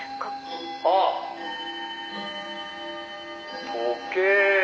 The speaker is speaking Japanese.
「あっ時計」